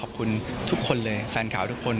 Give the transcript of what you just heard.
ขอบคุณทุกคนเลยแฟนข่าวทุกคน